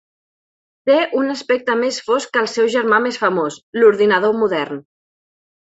Té un aspecte més fosc que el seu germà més famós, l'ordinador modern.